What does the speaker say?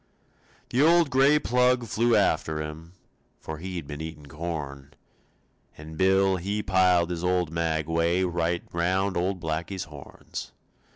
The old gray plug flew after him, For he'd been eatin' corn; And Bill, he piled his old maguey Right round old Blackie's horns.